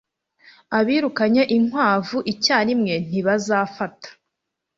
Abirukanye inkwavu icyarimwe ntibazafata